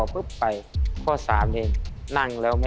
ไม่ต้องรอ